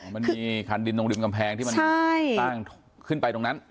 มันมีคันดินตรงริมกำแพงที่มันสร้างขึ้นไปตรงนั้น